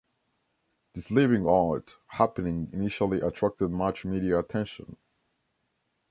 This "living art" happening initially attracted much media attention.